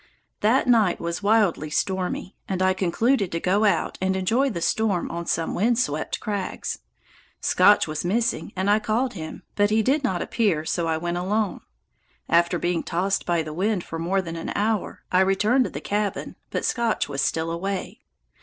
That night was wildly stormy, and I concluded to go out and enjoy the storm on some wind swept crags. Scotch was missing and I called him, but he did not appear, so I went alone. After being tossed by the wind for more than an hour, I returned to the cabin, but Scotch was still away.